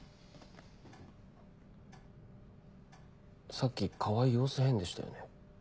さっき川合様子変でしたよね。